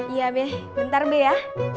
iya b be bentar be ya